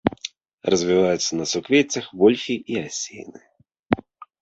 Развіваецца на суквеццях вольхі і асіны.